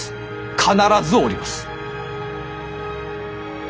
必ずおります。